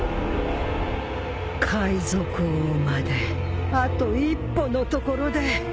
海賊王まであと一歩のところで